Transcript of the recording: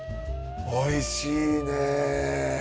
おいしいね。